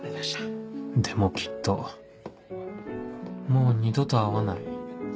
でもきっともう二度と会わない